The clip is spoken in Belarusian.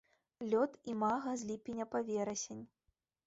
Лёт імага з ліпеня па верасень.